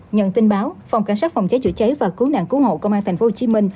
nhận tin báo phòng cảnh sát phòng cháy chữa cháy và cứu nạn cứu hộ công an tp hcm